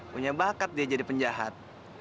punya bakat dia jadi penjahat